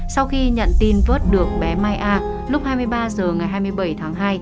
sau khi nhận tin vớt được bé mai a lúc hai mươi ba h ngày hai mươi bảy tháng hai